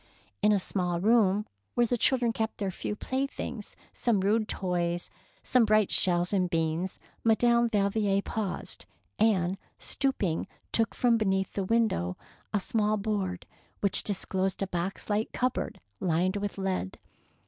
^^ In a small room where the children kept their few playthings, some rude toys and some bright shells and beans, Madame Valvier paused, and, stooping, took from beneath the window a small board, which disclosed a box like cup board lined with lead.